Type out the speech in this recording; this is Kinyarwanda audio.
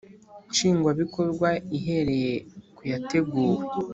Nshingwabikorwa ihereye ku yateguwe